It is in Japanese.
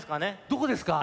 どこですか？